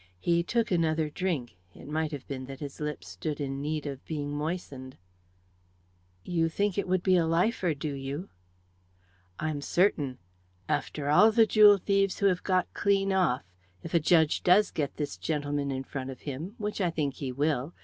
He took another drink; it might have been that his lips stood in need of being moistened. "You think it would be a lifer, do you?" "I'm certain. After all the jewel thieves who have got clean off, if a judge does get this gentleman in front of him which I think he will!